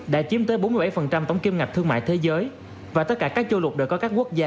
đã chiếm tới bốn mươi bảy tổng kim ngạch thương mại thế giới và tất cả các châu lục đều có các quốc gia